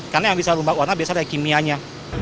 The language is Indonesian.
karena yang bisa berubah warna biasanya ada kimianya